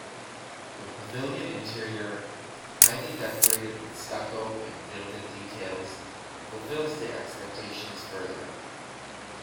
The pavilion interior, highly decorated with stucco and gilded details, fulfils the expectations further.